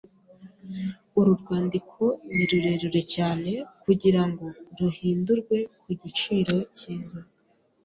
Uru rwandiko ni rurerure cyane kugirango ruhindurwe ku giciro cyiza.